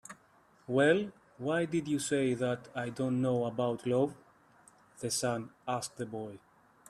"Well, why did you say that I don't know about love?" the sun asked the boy.